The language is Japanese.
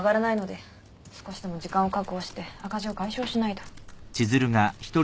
少しでも時間を確保して赤字を解消しないと。